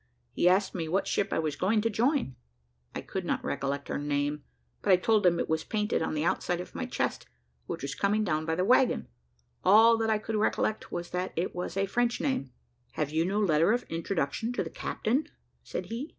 He asked me what ship I was going to join. I could not recollect her name, but I told him it was painted on the outside of my chest, which was coming down by the waggon: all that I could recollect was that it was a French name. "Have you no letter of introduction to the captain?" said he.